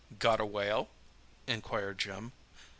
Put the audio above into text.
"Got a whale?" inquired Jim.